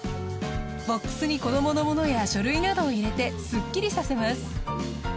ボックスに子どものものや書類などを入れてすっきりさせます。